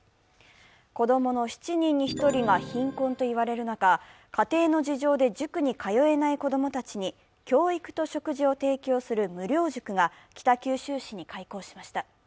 子供の７人に１人が貧困と言われる中、家庭の事情で塾に通えない子供たちに教育と食事を提供する無料塾が北九州市に開校しました。